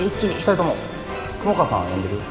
２人とも雲川さんが呼んでるよ